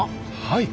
はい。